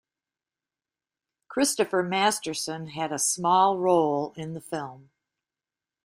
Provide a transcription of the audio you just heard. Christopher Masterson had a small role in the film.